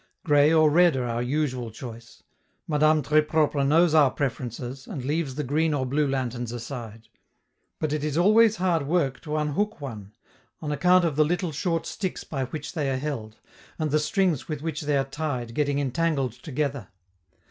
Gray or red are our usual choice; Madame Tres Propre knows our preferences and leaves the green or blue lanterns aside. But it is always hard work to unhook one, on account of the little short sticks by which they are held, and the strings with which they are tied getting entangled together.